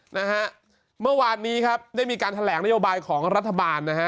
นะฮะเมื่อวานนี้ครับได้มีการแถลงนโยบายของรัฐบาลนะฮะ